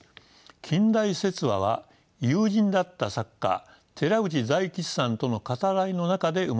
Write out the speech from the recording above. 「近代説話」は友人だった作家寺内大吉さんとの語らいの中で生まれました。